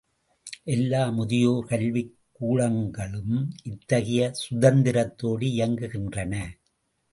எல்லா முதியோர் கல்விக் கூடங்களும் இத்தகைய சுதந்திரத்தோடு இயங்குகின்றன.